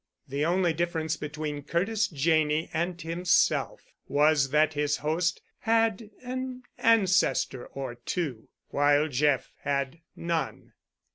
The only difference between Curtis Janney and himself was that his host had an ancestor or two—while Jeff had none.